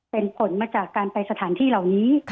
เป็นผลมาจากการไปสถานที่เหล่านี้